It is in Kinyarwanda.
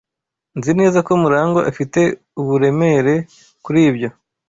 Nzi neza ko Murangwa afite uburemere kuri ibyo.